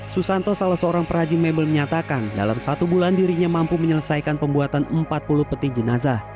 susanto salah seorang perajin mebel menyatakan dalam satu bulan dirinya mampu menyelesaikan pembuatan empat puluh peti jenazah